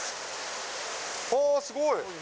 あー、すごい。